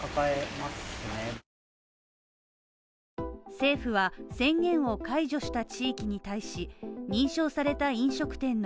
政府は宣言を解除した地域に対し、認証された飲食店の